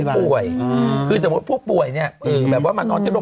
ว่าหยุดทำคลิปเพราะอะไรรู้มั้ย